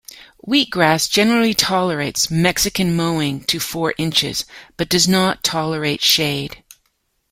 Wheatgrass generally tolerates Mexican mowing to four inches, but does not tolerate shade.